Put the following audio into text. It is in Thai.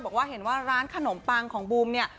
บอกว่าเห็นว่าร้านขนมปังของบูมเนี่ย